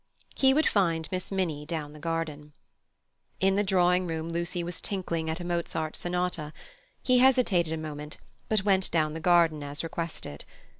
He would find Miss Minnie down in the garden. In the drawing room Lucy was tinkling at a Mozart Sonata. He hesitated a moment, but went down the garden as requested.